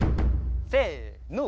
せの。